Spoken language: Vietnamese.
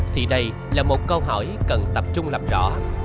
thì đây là một câu hỏi cần tập trung làm rõ